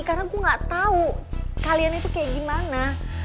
karena gue gak tau kalian itu kayak gimana